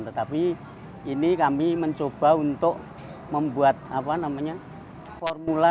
tetapi ini kami mencoba untuk membuat formula